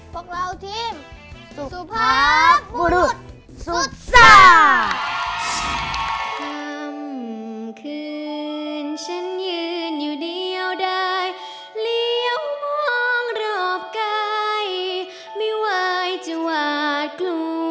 พวกเราทีมสุภาพภูรุสุดศาสตร์